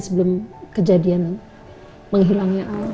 sebelum kejadian menghilangnya al